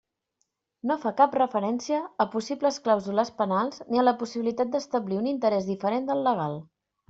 No fa cap referència a possibles clàusules penals ni a la possibilitat d'establir un interès diferent del legal.